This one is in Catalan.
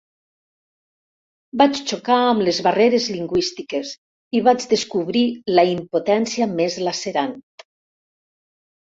Vaig xocar amb les barreres lingüístiques i vaig descobrir la impotència més lacerant.